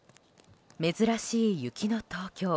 珍しい雪の東京。